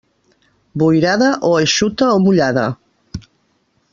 Boirada, o eixuta o mullada.